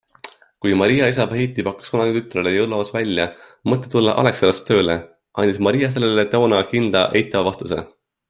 Kui Maria isa Heiti pakkus kunagi tütrele jõululauas välja mõtte tulla Alexelasse tööle, andis Maria sellele toona kindla eitava vastuse.